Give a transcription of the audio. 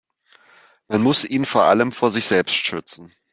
Man muss ihn vor allem vor sich selbst schützen.